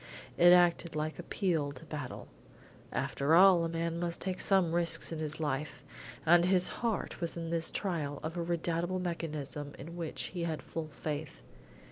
It acted like a peal to battle. After all, a man must take some risks in his life, and his heart was in this trial of a redoubtable mechanism in which he had full faith.